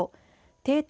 定点